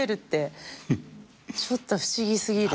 ちょっと不思議過ぎる。